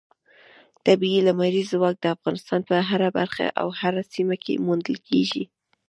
طبیعي لمریز ځواک د افغانستان په هره برخه او هره سیمه کې موندل کېږي.